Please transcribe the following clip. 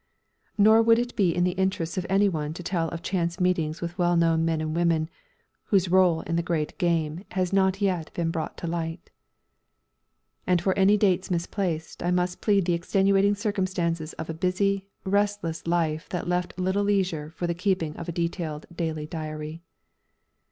Nor would it be in the interests of anyone to tell of chance meetings with well known men and women whose rôle in the Great Game has not yet been brought to light. And for any dates misplaced I must plead the extenuating circumstances of a busy, restless life that left little leisure for the keeping of a detailed daily diary.